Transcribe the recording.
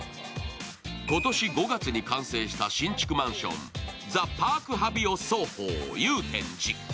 今年５月に完成した新築マンションザ・パークハビオＳＨＯ祐天寺。